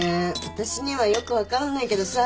私にはよく分からないけどさ。